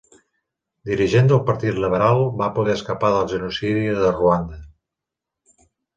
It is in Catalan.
Dirigent del Partit Liberal, va poder escapar del genocidi de Ruanda.